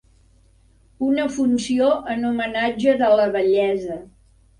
Una funció en homenatge de la vellesa.